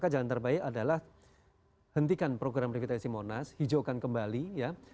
jalan terbaik adalah hentikan program revitalisasi monas hijaukan kembali ya